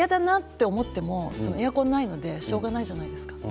暑いけど暑くて嫌だなと思ってもエアコンないのでしょうがないじゃないですか。